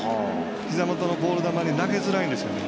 ひざ元のボール球に投げづらいんですよね。